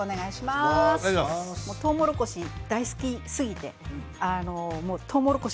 とうもろこし大好きすぎてとうもろこし